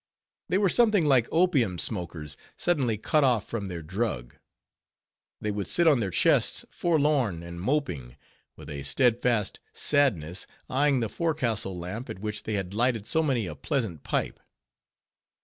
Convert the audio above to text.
They were something like opium smokers, suddenly cut off from their drug. They would sit on their chests, forlorn and moping; with a steadfast sadness, eying the forecastle lamp, at which they had lighted so many a pleasant pipe.